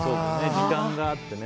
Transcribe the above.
時間がってね。